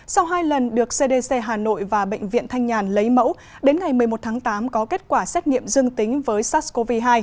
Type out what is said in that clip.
sau hai lần được cdc hà nội và bệnh viện thanh nhàn lấy mẫu đến ngày một mươi một tháng tám có kết quả xét nghiệm dương tính với sars cov hai